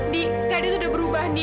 di kayaknya itu udah berubah di